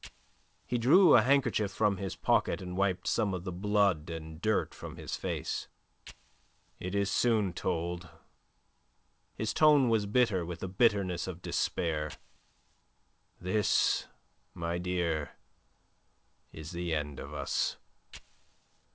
He drew a handkerchief from his pocket and wiped some of the blood and dirt from his face. "It is soon told." His tone was bitter with the bitterness of despair. "This, my dear, is the end of us.